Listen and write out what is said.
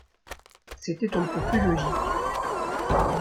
C’était on ne peut plus logique.